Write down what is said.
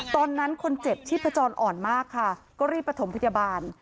ตอนนั้นคนเจ็บชีพจรอ่อนมากค่ะก็รีบประถมพยาบาล